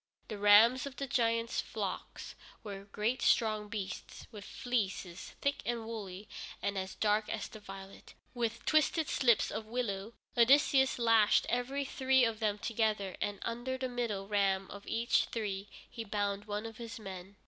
The rams of the giant's flocks were great strong beasts, with fleeces thick and woolly, and as dark as the violet. With twisted slips of willow Odysseus lashed every three of them together, and under the middle ram of each three he bound one of his men.